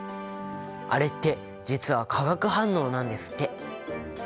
あれって実は化学反応なんですって。